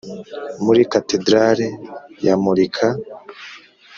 muri katedrali yamurika,